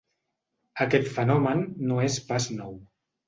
Aquest fenomen no és pas nou.